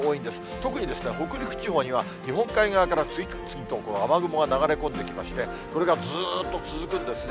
特に北陸地方には、日本海側から次々と雨雲が流れ込んできまして、これがずーっと続くんですね。